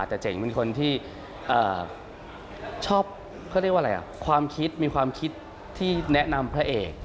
แต่เจ๋งเป็นคนที่ชอบความคิดมีความคิดที่แนะนำพระเอก